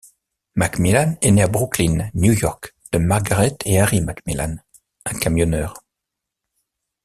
McMillan est né à Brooklyn, New York, de Margaret et Harry McMillan, un camionneur.